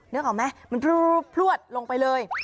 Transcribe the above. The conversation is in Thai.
นึกออกไหมมันพลวดลงไปเลย